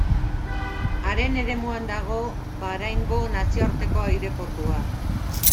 Haren eremuan dago Bahraingo nazioarteko aireportua.